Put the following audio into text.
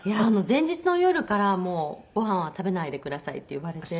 前日の夜から「ごはんは食べないでください」って言われて。